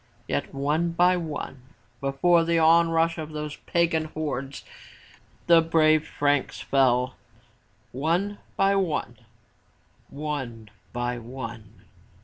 Yet, one by one, before the onrush of those pagan hordes the brave Franks fell, — one by one, one by one.